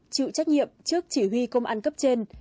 chịu trách nhiệm trước chỉ huy công an cấp trên